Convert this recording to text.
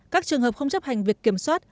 các trường hợp không chấp hành việc kiểm soát